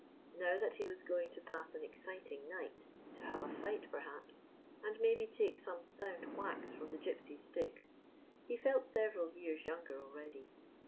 Now that he was going to pass an ex citing night, to have a fight, perhaps, and maybe take some sound whacks from the Gypsies' sticks, he felt several years younger already.